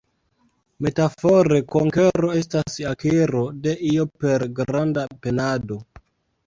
Metafore konkero estas akiro de io per granda penado.